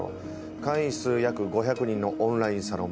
会員数約５００人のオンラインサロン